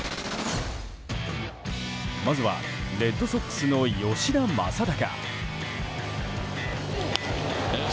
まずはレッドソックスの吉田正尚。